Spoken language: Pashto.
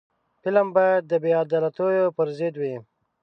فلم باید د بې عدالتیو پر ضد وي